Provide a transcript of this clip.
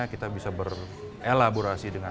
kita bisa berelaborasi dengan